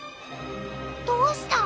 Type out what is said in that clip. どうした？